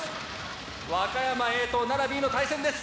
和歌山Ａと奈良Ｂの対戦です。